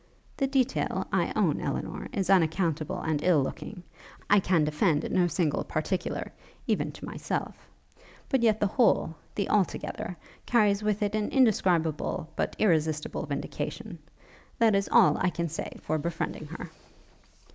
'The detail, I own, Elinor, is unaccountable and ill looking: I can defend no single particular, even to myself; but yet the whole, the all together, carries with it an indescribable, but irresistible vindication. This is all I can say for befriending her.'